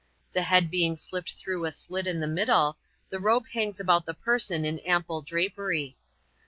The head being slipped through a slit in the middle, the robe hangs about the person in ample drapery.